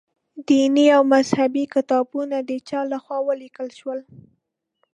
دیني او مذهبي کتابونه د چا له خوا ولیکل شول.